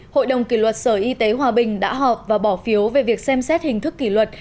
hội đồng kỷ luật sở y tế hòa bình đã họp và bỏ phiếu về việc xem xét hình thức kỷ luật